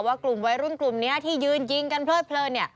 ว่ากลุ่มไว้รุ่นกลุ่มนี้ที่ยืนยิงกันเพลิดนี่